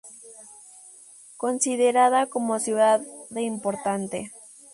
Considerada como ciudad de importante.